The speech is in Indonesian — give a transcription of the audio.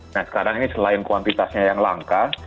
nah sekarang ini selain kuantitasnya yang langka